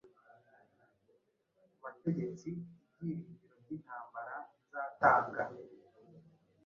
Kubategetse ibyiringiro byintambara nzatanga